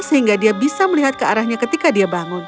sehingga dia bisa melihat ke arahnya ketika dia bangun